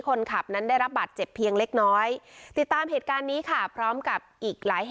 คนขับนั้นได้รับบัตรเจ็บเพียงเล็กน้อย